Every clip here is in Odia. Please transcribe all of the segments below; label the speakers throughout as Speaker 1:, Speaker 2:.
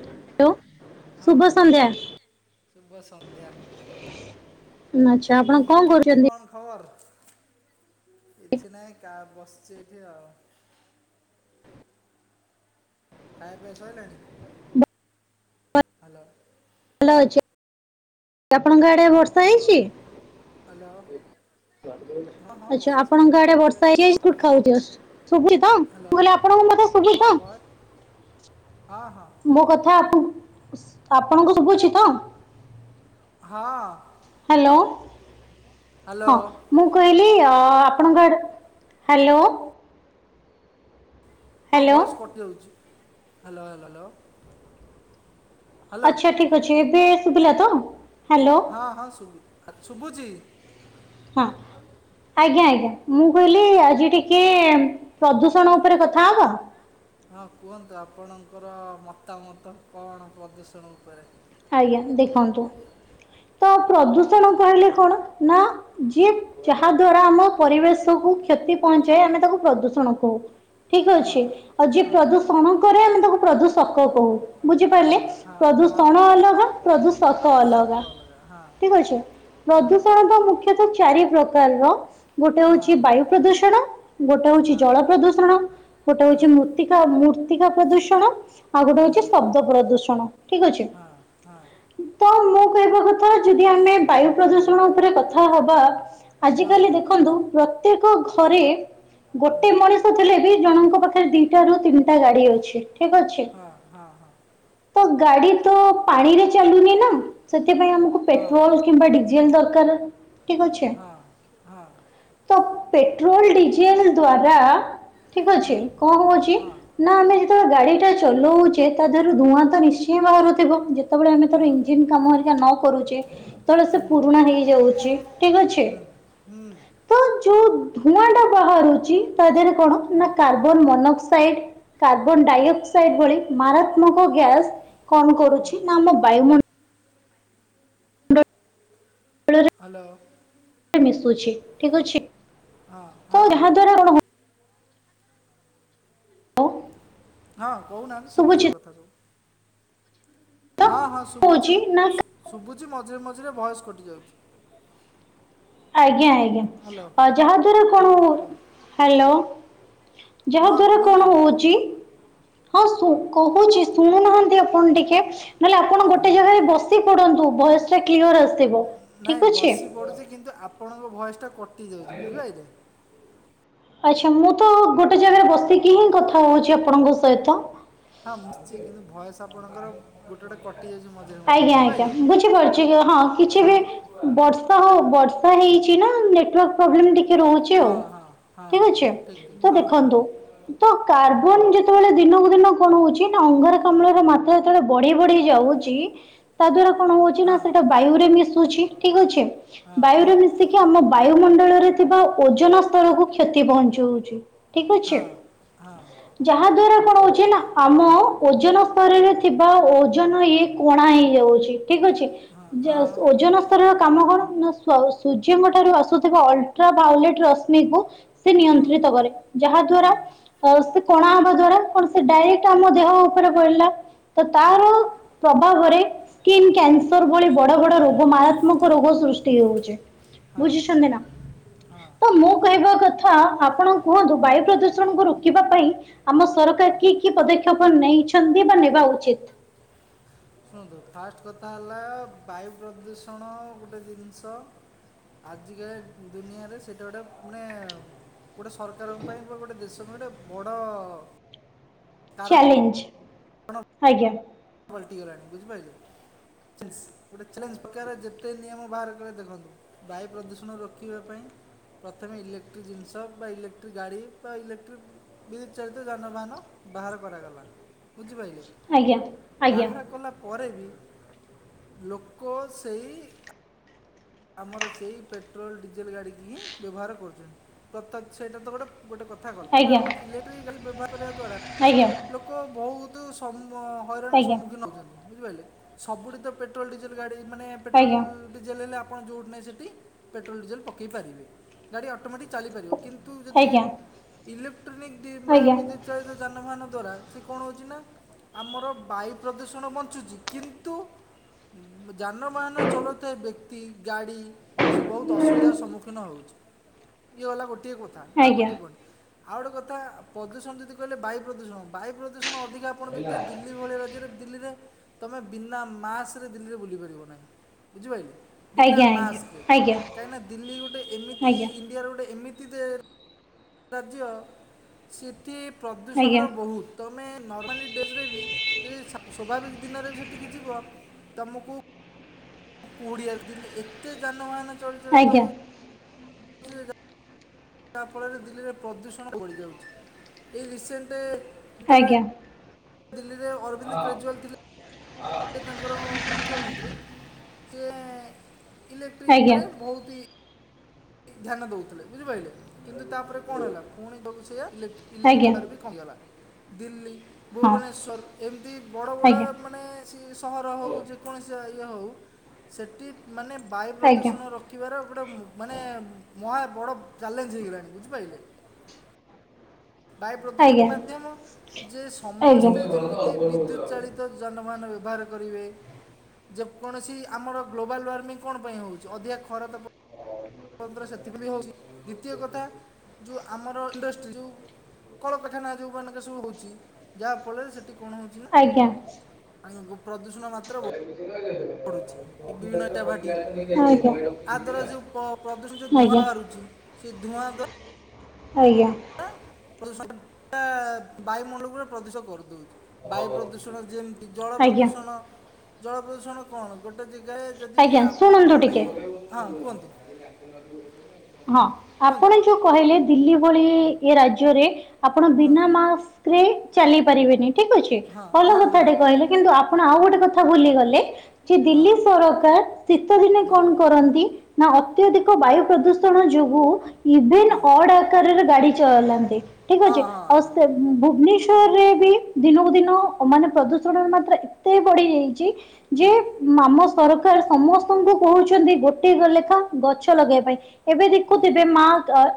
Speaker 1: [unintelligible]
Speaker 2: ହଁ
Speaker 1: ଶୁଭ ସନ୍ଧ୍ୟା।
Speaker 2: ଶୁଭ ସନ୍ଧ୍ୟା।
Speaker 1: ଆଚ୍ଛା ଆପଣ
Speaker 2: କୁହନ୍ତୁ
Speaker 1: କଣ
Speaker 2: କେମତି
Speaker 1: କରୁଛନ୍ତି?
Speaker 2: କଣ ଖବର? କିଛି ନାହିଁ କା ବସିଛି ଏଠି ଆଉ। ଖାଇବା ପିବା ସଇଲାଣି ହ୍ୟାଲୋ?
Speaker 1: [unintelligible] ଆପଣଙ୍କ ଆଡ଼େ ବର୍ଷା ହେଇଛି?
Speaker 2: ହାଲୋ।
Speaker 1: ଆଚ୍ଛା ଆପଣଙ୍କ ଆଡ଼େ
Speaker 2: ହେଉଛି ଆଜି
Speaker 1: ବର୍ଷା ହେଇ
Speaker 2: ଟିକେ ଭଲ
Speaker 1: [unintelligible] ଶୁଭୁଚି ତ?
Speaker 2: ହ୍ୟାଲୋ
Speaker 1: ମୁଁ କହିଲି ଆପଣଙ୍କୁ ମୋ କଥା ଶୁଭୁଚି
Speaker 2: ହଁ
Speaker 1: ତ?
Speaker 2: ଭଏ ହଁ ହଁ
Speaker 1: ମୋ କଥା ଆପ ଉସ୍ ଆପଣଙ୍କୁ ଶୁଭୁଛି ତ?
Speaker 2: ହଁ।
Speaker 1: ହାଲୋ?
Speaker 2: ହ୍ୟାଲୋ
Speaker 1: ହଁ। ମୁଁ କହିଲି ଅ ଆପଣଙ୍କ ଆଡେ ହାଲୋ?
Speaker 2: ତମ
Speaker 1: ହ୍ୟାଲୋ
Speaker 2: ଭଏସ କଟିଯାଉଛି ହାଲୋ ହାଲୋ ହାଲୋ
Speaker 1: ଆଚ୍ଛା ଠିକ୍ ଅଛି ଏବେ ଶୁଭିଲା ତ ହାଲୋ?
Speaker 2: ହଁ ହଁ ଶୁଭୁ ଶୁଭୁଚି।
Speaker 1: ହଁ। ଆଜ୍ଞା ଆଜ୍ଞା ମୁଁ କହିଲି ଆଜି ଟିକେ ପ୍ରଦୂଷଣ ଉପରେ କଥା ହବ?
Speaker 2: ହଁ କୁହନ୍ତୁ ଆପଣଙ୍କର ମତାମତ କଣ ପ୍ରଦୂଷଣ ଉପରେ।
Speaker 1: ଆଜ୍ଞା ଦେଖନ୍ତୁ। ତ ପ୍ରଦୂଷଣ ତାହାଲେ କଣ ନା ଯିଏ ଯାହା ଦ୍ଵାରା ଆମ ପରିବେଶକୁୁ କ୍ଷତି ପହଞ୍ଚାଏ ଆମେ ତାକୁ ପ୍ରଦୂଷଣ କହୁ। ଠିକ୍
Speaker 2: ହଁ
Speaker 1: ଅଛି ଆଉ ଯିଏ
Speaker 2: ହଁ
Speaker 1: ପ୍ରଦୂଷଣ କରେ ଆମେ ତାକୁ ପ୍ରଦୂଷକ କହୁ। ବୁଝିପାରିଲେ?
Speaker 2: ହଁ ହଁ ହଁ
Speaker 1: ପ୍ରଦୂଷଣ ଅଲ ପ୍ରଦୁଷକ
Speaker 2: ଉତ୍ସକ
Speaker 1: ଅଲଗା
Speaker 2: ହଁ
Speaker 1: ଠିକ୍ ଅଛି।
Speaker 2: ହଁ
Speaker 1: ପ୍ରଦୂଷଣ ମୁଖ୍ୟତଃ ଚାରି ପ୍ରକାର ର। ଗୋଟେ ହଉଛି
Speaker 2: ହଁ
Speaker 1: ବାୟୁ ପ୍ରଦୂଷଣ ଗୋଟେ ହଉଛି ଜଳ
Speaker 2: ହଁ
Speaker 1: ପ୍ରଦୂଷଣ ଗୋଟେ ହଉଛି ମୃ ମୂର୍ତ୍ତିକା ପ୍ରଦୂଷଣ ଆଉ ଗୋଟେ
Speaker 2: ହଁ
Speaker 1: ହଉଛି ଶବ୍ଦ ପ୍ରଦୂଷଣ ଠିକ୍ ଅଛି।
Speaker 2: ହଁ ହଁ।
Speaker 1: ତ ମୁଁ କହିବା କଥା ଯଦି ଆମେ ବାୟୁ ପ୍ରଦୂଷଣ ଉପରେ କଥା ହବା
Speaker 2: ହଁ
Speaker 1: ଆଜି
Speaker 2: ହଁ
Speaker 1: କାଲି ଦେଖନ୍ତୁ ପ୍ରତ୍ୟେକ ଘରେ ଗୋଟେ
Speaker 2: ହଁ
Speaker 1: ମଣିଷ ଥିଲେ ବି ଜଣଙ୍କ ପାଖରେ ଦିଟା ରୁ ତିନଟା ଗାଡ଼ି ଅଛି ଠିକ୍ ଅଛି।
Speaker 2: ହଁ ହଁ ହଁ।
Speaker 1: ତୋ ଗାଡ଼ି ତୋ ପାଣିରେ ଚାଲୁନି ନା ସେଥିପାଇଁ ଆମକୁ
Speaker 2: ହଁ
Speaker 1: ପେଟ୍ରୋଲ କିମ୍ବା ଡିଜେଲ ଦରକାର। ଠିକ୍ ଅଛି।
Speaker 2: ହଁ ହଁ ହଁ
Speaker 1: ତ ପେଟ୍ରୋଲ ଡିଜେଲ ଦ୍ଵାରା ଠିକ୍ ଅଛି। କଁ ହଉଛି
Speaker 2: ହଁ
Speaker 1: ନା ଆମେ ଯେତେବେଳେ ଗାଡ଼ି ଟା ଚଲଉଚେ ତା ଦେହରୁ ଧୂଆଁ ତ ନିଶ୍ଚୟ ବାହାରୁଥିବ ଯେ ଯେତବେଳେ ଆମେ ତାର ଇଞ୍ଜିିନ କାମ ହାରିକା ନ କରୁଚେ ସେତବଳେ ସେ ପୁରୁଣା ହେଇଯାଉଛି ଠିକ୍ ଅଛି।
Speaker 2: ହୁଁ
Speaker 1: ତ ଯୋଉ ଧୂଆଁ ଟା ବାହାରୁଚି ତା ଦେହରେ କଣ ନା
Speaker 2: ହଁ
Speaker 1: କାର୍ବନ ମନଅକ୍ସାଇଡ କାର୍ବନ
Speaker 2: ହଁ
Speaker 1: ଡାଇଅକ୍ସାଇଡ ଭଳି ମାରାତ୍ମକ ଗ୍ୟାସ କଣ କରୁଛି ନା ଆମ ବାୟୁମଣ୍ଡ
Speaker 2: ହାଲୋ।
Speaker 1: ମିଶୁଛି ଠିକ ଅଛି।
Speaker 2: ହଁ।
Speaker 1: ତ
Speaker 2: ହଁ ହଁ।
Speaker 1: ଯାହାଦ୍ୱାରା କ'ଣ ହବ
Speaker 2: ହଁ କହୁନାହାନ୍ତି ଶୁଭୁଛି ବ କଥା ସବୁ।
Speaker 1: ତ
Speaker 2: ହଁ-ହଁ
Speaker 1: ହଉଛି ନା
Speaker 2: ଶୁବୁଚି-ଶୁବୁଚି ମଝିରେ-ମଝିରେ ଭଏସ୍ କଟି ଯାଉଚି।
Speaker 1: ଆଜ୍ଞା-ଆଜ୍ଞା
Speaker 2: ହ୍ୟାଲୋ
Speaker 1: ଅ ଯାହା ଦ୍ଵାରା କଣ,
Speaker 2: ହଁ କୁହନ୍ତୁ
Speaker 1: ହାଲୋ। ଯାହା
Speaker 2: ହଁ
Speaker 1: ଦ୍ୱାରା
Speaker 2: କୁହନ୍ତୁ
Speaker 1: କଣ ହଉଚି ହଁ କହୁଚି ଶୁଣୁନାହାନ୍ତି ଆପଣ ଟିକେ, ନହେଲେ ଆପଣ ଗୋଟେ ଜାଗାରେ ବସି ପଡନ୍ତୁ ଭଏସ୍ ଟା କ୍ଲିଅର୍ ଆସିଥିବ।
Speaker 2: ନାଇଁ ବସି ପଡୁଚି କିନ୍ତୁ ଆପଣଙ୍କ ଭଏସ୍ ଟା କଟି ଯାଉଚି ବୁଝିପାଇଲେ।
Speaker 1: ଆଚ୍ଛା ମୁଁ ତ ଗୋଟେ ଜାଗାରେ ବସିକି ହିଁ କଥା ହଉଚି ଆପଣଙ୍କ ସହିତ।
Speaker 2: ହଁ [unintelligible] କିନ୍ତୁ ଭଏସ୍ ଆପଣଙ୍କର ଗୋଟେ-ଗୋଟେ କ
Speaker 1: ଆଜ୍ଞା-ଆଜ୍ଞା ବୁଝିପାରୁଚି ହଁ କିଛି
Speaker 2: ହଁ
Speaker 1: ବି ବର୍ଷା ହଉ ବର୍ଷା ହେଇଚି ନା ନେଟୱର୍କ ପ୍ରୋବ୍ଲେମ୍ ଟି କେ ରହୁଚି ଆଉ
Speaker 2: ହଁ ହଁ ହଁ
Speaker 1: ଠିକ୍
Speaker 2: ହଁ
Speaker 1: ଅଛି
Speaker 2: ଠିକ୍ ଠିକ୍
Speaker 1: ତ
Speaker 2: ହଁ
Speaker 1: ଦେଖନ୍ତୁ ତ କାର୍ବନ ଯେତବେଳେ ଦିନକୁ ଦିନ କଣ ହଉଚି ନା ଅଙ୍ଗାରକାମ୍ଳର ମାତ୍ରା ଯେତବେଳେ ବଢି-ବଢି ଯାଉଚି ତା ଦ୍ଵାରା କଣ ହଉଚି ନା
Speaker 2: ହଁ
Speaker 1: ସେଇଟା ବାୟୁ ରେ ମିଶୁଚି ଠିକ୍ ଅଛି,
Speaker 2: ହଁ
Speaker 1: ବାୟୁରେ ମି ଶିକି ଆମ ବାୟୁମଣ୍ଡଳରେ ଥିବା ଓଜନ ସ୍ଥରକୁ କ୍ଷତି ପହଞ୍ଚଉଚି। ଠିକ ଅଛି। ଯାହାଦ୍ଵାରା କଣ ହଉଚି ନା ଆମ ଓଜନ ସ୍ତରରେ ଥିବା ଓଜନ ଇଏ କଣା ହେଇଯାଉଚି ଠିକ୍ ଅଛି,
Speaker 2: ହଁ ହଁ
Speaker 1: ଓଜନ କାମ କଣ, ନା ସୂର୍ଯ୍ୟଙ୍କ ଠାରୁ ଆସୁଥିବା ଅଲଟ୍ରା ଭାଓଲେଟ୍ ରଶ୍ମିକୁ ସେ
Speaker 2: ହଁ ହଁ
Speaker 1: ନିୟନ୍ତ୍ରିତ କରେ, ଯାହା ଦ୍ଵାରା
Speaker 2: ହଁ
Speaker 1: ସେ କଣା ହବା ଦ୍ଵାରା କଣ ସେ ଡାଇରେକ୍ଟ ଆମ ଦେହ ଉପରେ ପଡିଲା, ତ ତାର ପ୍ରଭାବରେ ସ୍କିନ୍ କ୍ୟାନସର୍ ଭଳି ବଡ-ବଡ ରୋଗ ମାରାତ୍ମକ ରୋଗ ସୃଷ୍ଟି ହଉଚି।
Speaker 2: ହଁ ହଁ
Speaker 1: ବୁଝୁଚନ୍ତି ନା,
Speaker 2: ହଁ
Speaker 1: ତ ମୁଁ କହିବା କ ଥା ଆପଣ କୁହନ୍ତୁ ବାୟୁ ପ୍ରଦୂଷଣକୁ ରୋକିବା ପାଇଁ ଆମ ସରକାର କି-କି ପଦକ୍ଷେ ପ ନେଇଛନ୍ତି ବା ନେବା ଉଚିତ୍?
Speaker 2: ଶୁଣନ୍ତୁ ଫାଷ୍ଟ କଥା ହେଲା ବାୟୁ ପ୍ରଦୂଷଣ ଗୋଟେ ଦିନିଷ ଆଜିକା ଦୁନିଆରେ ସେଇଟା ଗୋଟେ ମାନେ ଗୋଟେ ସରକାରଙ୍କ ପାଇଁ ବା ଗୋଟେ ଦେଶ ପାଇଁ ଗୋଟେ ବଡ଼ କାରଣ
Speaker 1: ଚ୍ୟାଲେଞ୍ଜ, ଆଜ୍ଞା।
Speaker 2: ପଲଟିଗଲାଣି, ବୁଝିପାଇଲେ। ଗୋଟେ ଚ୍ୟାଲେଞ୍ଜ [unintelligible] ଯେତେ ନିୟମ ବାହାର କଲେ ଦେଖନ୍ତୁ। ବାୟୁ ପ୍ରଦୂଷଣ ରୋକିବା ପାଇଁ ପ୍ରଥମେ ଇଲେକ୍ଟ୍ରି ଜିନିଷ ବା ଇଲେକ୍ଟ୍ରି ଗାଡି ବା ଇଲେକ୍ଟ୍ରି ବିଦ୍ୟୁତ୍ ଚାଳିତ ଯାନବାହାନ ବାହାର କରାଗଲା, ବୁଝିପାଇଲେ।
Speaker 1: ଆଜ୍ଞା। ଆଜ୍ଞା
Speaker 2: ବାହାର କଲା ପରେ ବି ଲୋକ ସେଇ ଆମର ସେଇ ପେଟ୍ରୋଲ୍ ଡିଜେଲ୍ ଗାଡ଼ିକି ହିଁ ବ୍ୟବହାର କରୁଚନ୍ତି [unintelligible] ସେଇଟା ତ ଗୋଟେ ଗୋଟେ କଥା କଲ ତାପରେ
Speaker 1: ଆଜ୍ଞା
Speaker 2: ଆଗ ଇଲେକ୍ଟ୍ରି ଗାଡି ବ୍ୟବହାର କରିବା ଦ୍ଵାରା
Speaker 1: ଆଜ୍ଞା
Speaker 2: ଲୋକ ବହୁତୁ ସମ ହଇରାଣର
Speaker 1: ଆଜ୍ଞା
Speaker 2: ସମ୍ମୁଖୀନ ହଉଚନ୍ତି। ବୁଝିପାଇଲେ, ସୁବୁଠି ତ ପେଟ୍ରୋଲ୍ ଡିଜେଲ୍ ଗାଡି ମାନେ ପେଟ୍ରୋଲ୍
Speaker 1: ଆଜ୍ଞା
Speaker 2: ଡିଜେଲ୍ ହେଲେ ଆ ଆପଣ ଯୋଉଠି ନାଇଁ ସେଠି ପେଟ୍ରୋଲ୍ ଡିଜେଲ୍ ପକେଇ ପାରିବେ, ଗାଡ଼ି ଅଟୋମେଟିକ୍ ଚାଲିପାରିବ, କିନ୍ତୁ ଯଦି
Speaker 1: ଆଜ୍ଞା ଆଜ୍ଞା
Speaker 2: ଇଲେକ୍ଟ୍ରୋନିକ୍ [unintelligible] ବିଦ୍ୟୁତ୍ ଚାଳିତ ଯାନବାହାନ ଦ୍ଵାରା ସେ କଣ ହଉଚି ନା ଆମର ବାୟୁ ପ୍ରଦୂଷଣ ବଞ୍ଚୁଚି, କିନ୍ତୁ ଯାନବାହନ ଚଲୋଉଥିବା ବ୍ୟ ତି ଗାଡ଼ି ଏସବୁ ବହୁତ ଅସୁବିଧାର ସମ୍ମୁଖୀନ ହଉଚି ଇଏ ଗଲା ଗୋଟିଏ କଥା ଗୋଟେ ପଏଣ୍ଟ ଆଉ ଗୋଟେ କଥା ପ୍ରଦୂଷଣ ଯଦି କହିଲେ ବାୟୁ ପ୍ରଦୂଷଣ ବାୟୁ ପ୍ରଦୂଷଣ ଅଧିକା [unintelligible] ଦିଲି୍ ଲ୍ଲୀ ଭଳିଆ ରାଜ୍ୟରେ ଦିଲ୍ଲୀରେ ତମେ ବିନା ମାସରେ ଦିଲ୍ଲୀରେ ବୁଲି ପାରିବ ନାହିଁ ବୁଝିପାଇଲେ ବିନା
Speaker 1: ଆଜ୍ଞା ଆଜ୍ଞା ଆଜ୍ଞା
Speaker 2: ମାସ୍କରେ
Speaker 1: ଆଜ୍ଞା ଆଜ୍ଞା ଆଜ୍ଞା
Speaker 2: କାହିଁକି ନା ଦିଲ୍ଲୀ ଗୋଟେ ଏମିତି ଇଣ୍ଡିଆର ଗୋଟେ ଏମିତି ଦେ ରାଜ୍ୟ ସେଥି ପ୍ରଦୂଷଣ ର ବହୁତ ତୁମେ ନର୍ମାଲି ଡେଜ୍ ବି ଯଦି ସ୍ୱାଭାବିକ ଦିନରେ ବି ସେଠିକି ଯିବ ତମୁକୁ କୋଡିଆ ରେ ଦିଲ୍ଲି ଏତେ ଯାନବାହାନ ଚଳଚଳିତ
Speaker 1: ଆଜ୍ଞା ଆଜ୍ଞା
Speaker 2: ହଉ ଯାହା ଫଳରେ ଦିଲ୍ଲୀରେ ପ୍ରଦୂଷଣ ବଢ଼ିଯାଉଚି ଏଇ ରିସେଣ୍ଟେ
Speaker 1: ଆଜ୍ଞା।
Speaker 2: ଦିଲ୍ଲୀରେ ଅରବିନ୍ଦ କେଜ୍ୱାଲ ଥିଲେ ସେ ତାଙ୍କର ମୁଖ୍ୟମନ୍ତ୍ରୀ ସେ ଇଲେକ୍ଟ୍ରି
Speaker 1: ଆଜ୍ଞା ଆଜ୍ଞା
Speaker 2: ଉପରେ ବହୁତି ଧ୍ୟାନ ଦଉଥିଲେ ବୁଝିପାଇଲେ କିନ୍ତୁ ତାପରେ କଣ ହେଲା ପୁଣି ଯୋଉକୁ ସେଆ ଇଲେକ୍ଟ୍ରି ବ୍ୟବହାର କମି ଗଲା ଦିଲ୍ଲୀ
Speaker 1: ହଁ
Speaker 2: ଭୁବନେଶ୍ୱର ଏମିତି ବଡ଼ ବଡ଼
Speaker 1: ଆଜ୍ଞା
Speaker 2: ମାନେ ଛି ସହର ହଉ ଯେକୌଣସି ଇଏ ହଉ ସେଠି ମାନେ ବାୟୁ
Speaker 1: ଆଜ୍ଞା
Speaker 2: ପ୍ରଦୂଷଣ ରୋ କିବାର ଗୋଟେ ମାନେ ମହା ବଡ ଚ୍ୟାଲେଞ୍ଜ୍ ହେଇଗଲାଣି ବୁଝିପାଇଲେ ବାୟୁ ପ୍ରଦୂଷଣ
Speaker 1: ଆଜ୍ଞା
Speaker 2: ମାଧ୍ୟମ ଯେ
Speaker 1: ଆଜ୍ଞା
Speaker 2: ସମସ୍ତେ ଯେମିତି ବିଦ୍ୟୁତ୍ ଚାଳି ତ ଯାନବାହାନ ବ୍ୟବହାର କରିବେ ଯେ କୌଣସି ଆମର ଗ୍ଲୋବାଲ୍ ୱାର୍ମିଂ କଣ ପାଇଁ ହଉଚି ଅଧିକା ଖରା ତାପ ମାତ୍ରା ସେଥିଁ ପାଇଁ ହଉଚି ଦ୍ବିତୀୟ କଥା ଯୋଉ ଆମର ଇଣ୍ଡଷ୍ଟି ଯୋଉ କଳପେଖାନା ଯୋଉ ମାନଙ୍କରେ ସବୁ ହଉଚି ଯାହାଫଳରେ ସେଠି କଣ ହଉଚି
Speaker 1: ଆଜ୍ଞା।
Speaker 2: ଆ [inaudible] ପ୍ରଦୂଷଣ ମାତ୍ରା
Speaker 1: ଆଜ୍ଞା
Speaker 2: ବଢୁଚି
Speaker 1: ଆଜ୍ଞା
Speaker 2: ବିଭିନ୍ନ ଇଟା ଭାଟି ଆ ଦ୍ୱାରା ଯୋଉ ପ ପ୍ରଦୂଷଣ ଯୋଉ ଧୂଆଁ ବାହାରୁଚି ସେ ଧୂଆଁ ଦ୍ଵା
Speaker 1: ଆଜ୍ଞା।
Speaker 2: ରା ପ୍ରଦୂଷଣ ଟା ବାୟୁମଣ୍ଡଳ କୁ ପୁରା ପ୍ରଦୂଷ କରିଦଉଚି। ବାୟୁ ପ୍ରଦୂଷଣ ଯେମତି ଜଳ
Speaker 1: ଆଜ୍ଞା
Speaker 2: ପ୍ରଦୂଷଣ ଜଳ ପ୍ରଦୂଷଣ କଣ ଗୋଟେ ଯେଗାରେ ଯଦି
Speaker 1: ଆଜ୍ଞା ଶୁଣନ୍ତୁ
Speaker 2: ଆପଣମାନେ
Speaker 1: ଟିକେ
Speaker 2: ହଁ କୁହନ୍ତୁ
Speaker 1: ହଁ
Speaker 2: କୁହନ୍ତୁ
Speaker 1: ଆପଣ ଯୋଉ କହିଲେ ଦିଲ୍ଲୀ ଭଳି ଏ ରାଜ୍ୟରେ ଆପଣ
Speaker 2: ହଁ
Speaker 1: ବିନା ମାସ୍କ ରେ ଚାଲି ପାରିବେନି ଠିକ୍ ଅଛି
Speaker 2: ହଁ
Speaker 1: ଭଲ
Speaker 2: ହଁ ହଁ
Speaker 1: କଥାଟେ କହିଲେ କିନ୍ତୁ ଆ ପଣ ଆଉ ଗୋଟେ କଥା ଭୁଲି ଗଲେ ଯେ ଦିଲ୍ଲୀ ସରକାର ଶୀତ ଦିନେ
Speaker 2: ହଁ ହଁ
Speaker 1: କଣ କରନ୍ତି ନା ଅତ୍ୟଧିକ ବାୟୁ ପ୍ରଦୂଷଣ ଯୋଗୁ ଇଭିନ୍
Speaker 2: ହଁ
Speaker 1: ଅଡ୍ ଆକାରରେ ଗାଡି ଚଲାନ୍ତି ଠିକ୍
Speaker 2: ହଁ
Speaker 1: ଅଛି ଆଉ
Speaker 2: ହଁ
Speaker 1: ସେ ଭୁବନେଶ୍ଵରରେ ବି ଦିନକୁ ଦିନ ଅ ମାନେ ପ୍ରଦୂଷଣର ମାତ୍ରା ଏ ତେ ବଢ଼ିଯାଇଚି ଯେ ମାମ ସରକାର ସମସ୍ତଙ୍କୁ କହୁଛନ୍ତି ଗୋଟେ ଲେଖା ଗଛ ଲଗେଇଆ ପାଇଁ ଏବେ ଦେଖୁଥିବେ ମା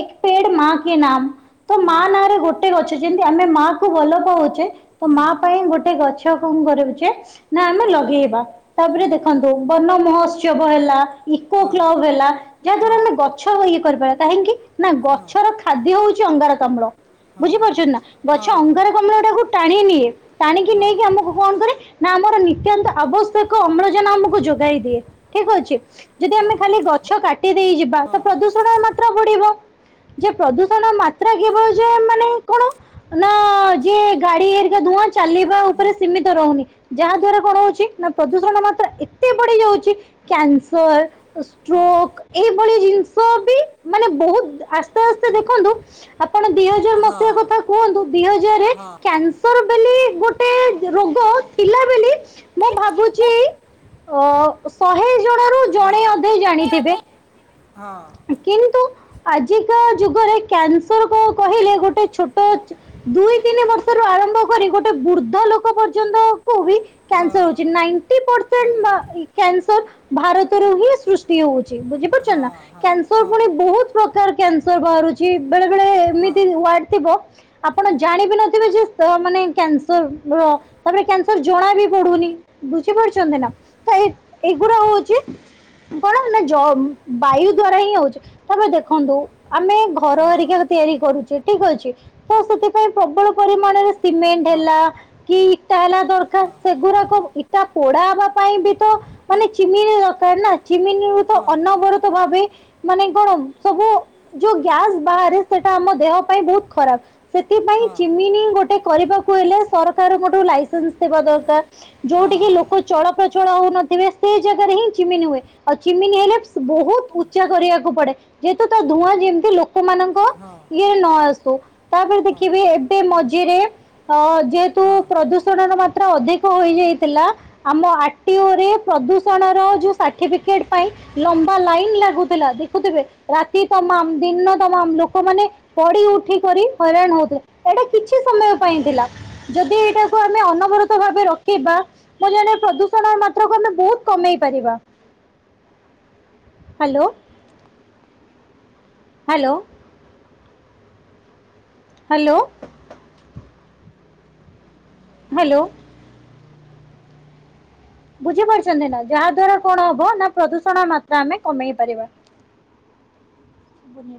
Speaker 1: ଏକ ପେଡ୍ ମା କି ନାମ୍ ତ
Speaker 2: ହଁ
Speaker 1: ମା
Speaker 2: ହଁ
Speaker 1: ନାଁରେ ଗୋ ଟେ ଗଛ ଯେମିତି ଆମେ ମା କୁ ଭଲ ପାଉଚେ ତ ମା ପାଇଁ ଗୋଟେ ଗଛ କଁ କରିବୁ ଯେ ନା ଆମେ
Speaker 2: ଲଗଉଛୁ
Speaker 1: ଲଗେଇବା ତାପରେ
Speaker 2: ହଁ
Speaker 1: ଦେଖ ନ୍ତୁ ବନ ମହୋତ୍ସବ ହେଲା ଇକୋ
Speaker 2: ହଁ
Speaker 1: କ୍ଲବ୍ ହେଲା ଯାହା ଦ୍ଵାରା
Speaker 2: ହଁ
Speaker 1: ଆମେ ଗ ଛ ଇଏ କରିପାରିଆ କାହିଁକି ନା ଗଛର ଖାଦ୍ୟ ହଉଚି ଅଙ୍ଗାରକାମ୍ଳ
Speaker 2: ହଁ ହଁ
Speaker 1: ବୁଝିପାରୁଚନ୍ତି ନା ଗଛ
Speaker 2: ହଁ
Speaker 1: ଅଙ୍ଗାରକାମ୍ଳ ଟାକୁ ଟାଣି ନିଏ ଟାଣିକି
Speaker 2: ହଁ
Speaker 1: ନେଇକି ଆମକୁ କଣ କରେ ନା ଆମର ନିତ୍ୟାନ୍ତ ଆବଶ୍ୟକ ଅମ୍ଳ ଜାନ ଆମକୁ ଯୋଗାଇ ଦିଏ ଠିକ ଅଛି ଯଦି ଆମେ ଖାଲି ଗଛ କାଟି ଦେଇ ଯିବା
Speaker 2: ହଁ ହଁ ହଁ
Speaker 1: ଦୁଷଣ ମାତ୍ର ବଢ଼ିବ ଯେ ପ୍ରଦୂଷଣ ମାତ୍ରା କେବଳ ଯେ ମାନେ କଣ ନା ହଁ ଯିଏ ଗାଡି ହେରିକା ଧୁଆଁ ଚାଲିବା ଉପରେ ସୀମିତ ରହୁନି ଯାହାଦ୍ଵାରା କଣ ହୋଉଚି ନା ପ୍ରଦୂଷଣ ମାତ୍ରା ଏତେ ବଢି ଯାଉଚି କ୍ୟାନସର ଏ ଷ୍ଟ୍ରୋକ୍ ଏଇଭଳି ଜିନଷ ବି ମାନେ ବୋହୁତ ଆସ୍ତେ ଆସ୍ତେ ଦେଖନ୍ତୁ ଆପଣ ଦି ହଜାର ମସିହା
Speaker 2: ହଁ
Speaker 1: କଥା କୁହନ୍ତୁ ଦି ହଜାରରେ
Speaker 2: ହଁ
Speaker 1: କ୍ୟା କ୍ୟାନସର ବୋଲି ଗୋଟେ ରୋଗ ଥିଲା ବେଲି ମୁଁ ଭାବୁଚି ଅ ଶହେ ଜଣରୁ ଜଣେ
Speaker 2: ହଁ
Speaker 1: ଅଧେ ଜାଣିଥିବେ।
Speaker 2: ହଁ।
Speaker 1: କିନ୍ତୁ ଆଜିକା ଯୁଗରେ କ୍ୟାନସ୍ ସର୍ କଣ କହିଲେ ଗୋଟେ ଛୋଟ ଦୁଇ ତିନି ବର୍ଷରୁ ଆରମ୍ଭ କରି ଗୋଟେ ବୃଦ୍ଧ ଲୋ ଲୋକ ପର୍ଯ୍ୟନ୍ତକୁ ବି କ୍ୟାନସର୍
Speaker 2: ଆଜ୍ଞା
Speaker 1: ହୋଉଚି। କ୍ୟାନସର ଭାରତରୁ ହିଁ ସୃଷ୍ଟି ହୋଉଚି ବୁଝିପାରୁଚନ୍ତି ନା
Speaker 2: ହଁ ହଁ
Speaker 1: କ୍ୟାନସର
Speaker 2: ହଁ
Speaker 1: ପୁଣି ବୋହୁତ ପ୍ରକାର କ୍ୟାନସର ବାହାରୁଚି ବେଳେ ବେଳେ
Speaker 2: ହଁ
Speaker 1: ଏମିତି ୱାଡ ଥିବ ଆପଣ ଜାଣିବି ନଥିବେ ଯେ କ ମାନେ କ୍ୟାନସରର ତାପରେ କ୍ୟାନସର ଜଣା ବି ପଡୁନି ବୁଝିପାରୁଚନ୍ତି ନା ତ ଏ ଏଇଗୁଡା ହୋଉଚି କଣ ନା ଜ ବାୟୁ ଦ୍ଵାରା ହିଁ ହୋଉଚି ତମେ ଦେଖନ୍ତୁ ଆମେ ଘର ହରିକି ଯ ତିଆରି କରୁଚେ ଠିକ ଅଛି ତ ସେଥିପାଇଁ ପ୍ରବଳ ପରିମାଣରେ
Speaker 2: ହଁ
Speaker 1: ସିମେଣ୍ଟ
Speaker 2: ହଁ
Speaker 1: ହେଲା କି ଇଟା ହେଲା ଦରକାର ସେଗୁଡାକ ଇଟା ପୋଡା ହବା ପାଇଁ ବି ତ ମାନେ ଚିମିନି ଦରକାର ନା ଚିମିନିରୁ ତ
Speaker 2: ହଁ
Speaker 1: ଅନାବରତ ଭାବେ ମାନେ କଣ ସବୁ ଯୋଉ ଗ୍ୟାସ ବାହାରେ ସେଟା ଆମ ଦେହ ପାଇଁ ବୋହୁତ ଖରାପ। ସେଥିପାଇଁ ଚିମିନି ଗୋଟେ କରିବାକୁ ହେଲେ ସରକାରଙ୍କଠୁ ଲାଇସେନ୍ସ ଥିବା ଦରକାର। ଯୋଉଠିକି
Speaker 2: ହଁ
Speaker 1: ଲୋକ ଚଳ ପ୍ରଚଳ ହୋଉନଥିବେ ସେ ଜାଗାରେ ହିଁ ଚିମିନି ହୁଏ ଆଉ ଚିମିନି ହେଲେ ସ୍ ବୋହୁତ ଉ ଉଚ୍ଚା କରିବାକୁ ପଡେ ଯେହେତୁ ତା ଧୂଆଁ ଯେମିତି ଲୋକମାନଙ୍କ
Speaker 2: ହଁ
Speaker 1: ଙ୍କ ଇଏରେ ନ ଆସୁ ତାପରେ
Speaker 2: ହଁ
Speaker 1: ଦେଖିବି ଏବେ ମଝିରେ ଅ ଯେ ତୁ
Speaker 2: ହଁ
Speaker 1: ପ୍ରଦୂଷଣର ମାତ୍ରା ଅଧିକ ହୋଇଯାଇଥିଲା ଆମ ଆର୍ ଟିଓ ରେ ପ୍ରଦୂଷଣର ଯୋଉ ସାର୍ଟିଫିକେଟ ପାଇଁ ଲମ୍ବା ଲାଇନ ଲାଗୁ ଥିଲା ଦେଖୁଥିବେ ରାତି ତମାମ ଦିନ ତମାମ ଲୋକମାନେ ପଡି ଉଠିକରି ହଇରାଣ ହୋଉଥିଲେ ଏଇଟା କିଛି ସମୟ ପାଇଁ ଥିଲା। ଯଦି ଏଇଟାକୁ ଆମେ ଅନବରତ ଭାବେ ରଖିବା ମୁଁ ଜାଣେ ପ୍ରଦୂଷଣର ମାତ୍ରାକୁ ଆମେ ବୋହୁତ କମେଇ ପାରିବା। ହାଲୋ। ହାଲୋ। ହାଲୋ। ହାଲୋ। ବୁଝିପାରୁଚନ୍ତି ନା ଯାହା ଦ୍ଵାରା କଣ ହବ ନା ପ୍ରଦୂଷଣ ମାତ୍ରା ଆମେ କମେଇ ପାରିବା।